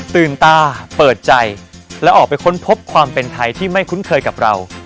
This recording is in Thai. ตื่นตาเปิดใจและออกไปค้นพบความเป็นไทยที่ไม่คุ้นเคยกับเรา